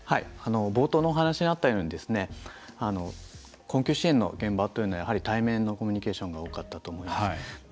冒頭のお話にあったように困窮支援の現場というのはやはり対面のコミュニケーションが多かったと思います。